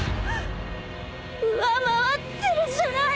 上回ってるじゃない！